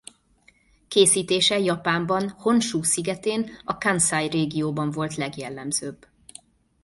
Készítése Japánban Honsú szigetén a Kanszai régióban volt legjellemzőbb.